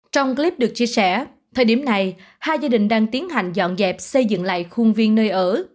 trong clip được chia sẻ thời điểm này hai gia đình đang tiến hành dọn dẹp xây dựng lại khuôn viên nơi ở